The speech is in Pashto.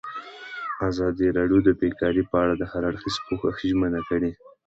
ازادي راډیو د بیکاري په اړه د هر اړخیز پوښښ ژمنه کړې.